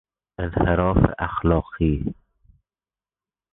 انحراف اخلاقی